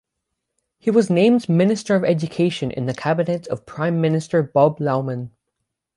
He was named Minister of Education in the cabinet of Prime Minister Bob Loughman.